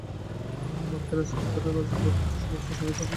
বক্ষের স্পন্দনে রাজলক্ষ্মীর সমস্ত শরীর কাঁপিয়া কাঁপিয়া উঠিল।